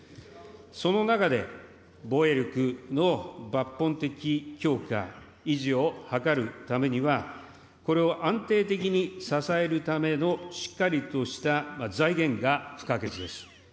その中で、防衛力の抜本的強化、維持を図るためには、これを安定的に支えるための、しっかりとした財源が不可欠です。